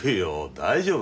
大丈夫。